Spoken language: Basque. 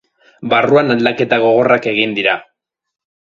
Barruan aldaketa gogorrak egin dira.